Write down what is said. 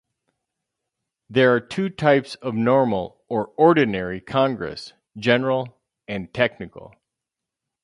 There are two types of normal or "ordinary" congress: General and Technical.